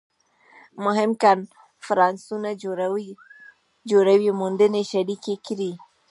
مهم کنفرانسونه جوړوي موندنې شریکې کړي